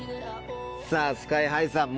さぁＳＫＹ−ＨＩさん